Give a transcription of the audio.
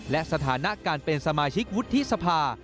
และสถานะการเป็นสมาชิกวุฒิสภา